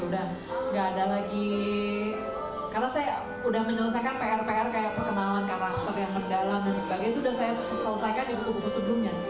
udah gak ada lagi karena saya udah menyelesaikan pr pr kayak perkenalan karakter yang mendalam dan sebagainya itu udah saya selesaikan di buku buku sebelumnya